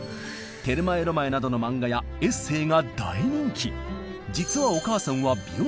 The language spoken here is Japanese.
「テルマエ・ロマエ」などの漫画やエッセーが大人気。